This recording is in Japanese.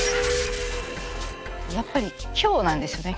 やっぱり今日なんですよね。